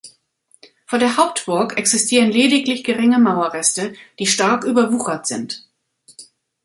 Von der Hauptburg existieren lediglich geringe Mauerreste, die stark überwuchert sind.